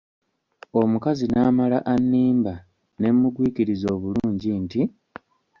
Omukazi n’amala annimba ne mugwikiriza obulungi nti!